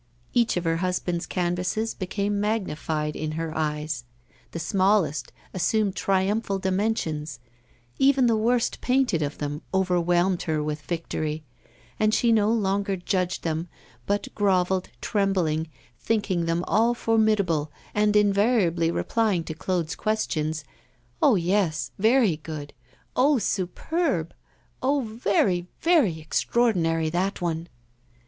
Each of her husband's canvases became magnified in her eyes, the smallest assumed triumphal dimensions, even the worst painted of them overwhelmed her with victory, and she no longer judged them, but grovelled, trembling, thinking them all formidable, and invariably replying to Claude's questions: 'Oh, yes; very good! Oh, superb! Oh, very, very extraordinary that one!